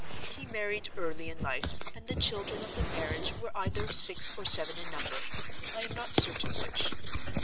He married early in life; and the children of the marriage were either six or seven in number—I am not certain which.